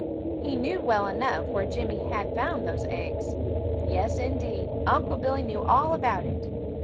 He knew well enough where Jimmy had found those eggs. Yes, indeed, Unc' Billy knew all about it.